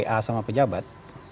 itu bisa wa sama pejabat